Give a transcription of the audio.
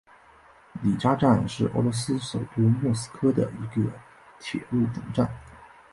里加站是俄罗斯首都莫斯科的一个铁路总站。